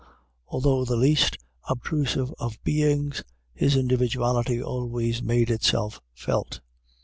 Although the least obtrusive of beings, his individuality always made itself felt.